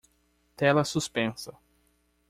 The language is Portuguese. Tela suspensa